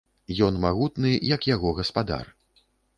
Ён магутны, як яго гаспадар.